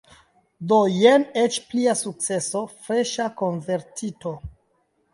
Do jen eĉ plia sukceso – freŝa konvertito!